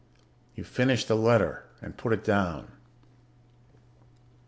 You finish the letter and put it down.